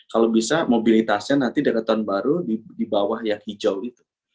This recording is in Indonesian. kalau bisa mobilitasnya nanti dari tahun baru di bawah yang hijau itu